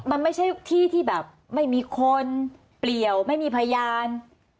มันไม่ใช่ที่ที่แบบไม่มีคนเปลี่ยวไม่มีพยาน